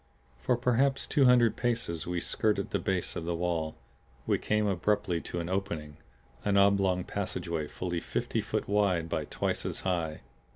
For perhaps two hundred paces we skirted the base of the wall. We came abruptly to an opening, an oblong passageway fully fifty foot wide by twice as high.